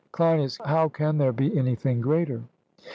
CLEINIAS: How can there be anything greater?